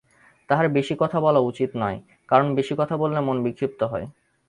তাঁহার বেশী কথা বলা উচিত নয়, কারণ বেশী কথা বলিলে মন বিক্ষিপ্ত হয়।